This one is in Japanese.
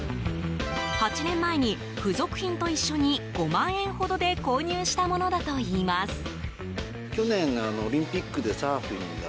８年前に付属品と一緒に５万円ほどで購入したものだといいます。